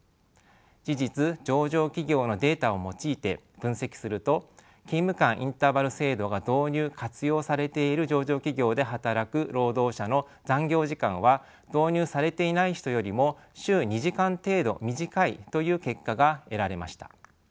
事実上場企業のデータを用いて分析すると勤務間インターバル制度が導入・活用されている上場企業で働く労働者の残業時間は導入されていない人よりも週２時間程度短いという結果が得られました。